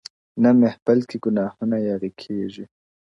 نه محفل كي ګناهونه ياغي كېږي-